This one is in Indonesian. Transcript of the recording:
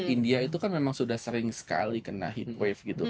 india itu kan memang sudah sering sekali kena heat wave gitu